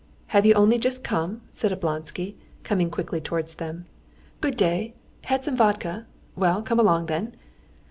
"Have you only just come?" said Oblonsky, coming quickly towards them. "Good day. Had some vodka? Well, come along then."